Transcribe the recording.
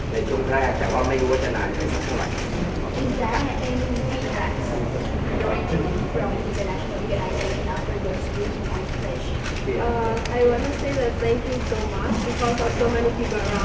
ในช่วงแรกแต่ว่าไม่รู้ว่าจะนานถึงสักเท่าไหร่